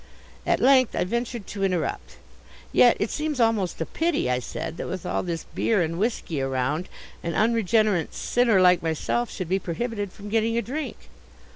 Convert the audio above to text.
At length I ventured to interrupt. "Yet it seems almost a pity," I said, "that with all this beer and whisky around an unregenerate sinner like myself should be prohibited from getting a drink."